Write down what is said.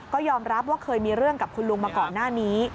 ก็ยอมรับว่าเคยมีเรื่องกับคุณลุงมาก่อนหน้านี้